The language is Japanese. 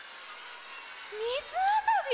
みずあそび？